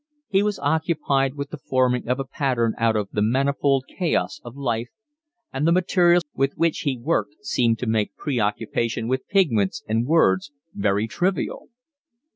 He was occupied with the forming of a pattern out of the manifold chaos of life, and the materials with which he worked seemed to make preoccupation with pigments and words very trivial.